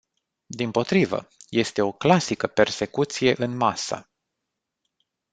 Dimpotrivă, este o clasică persecuție în masă.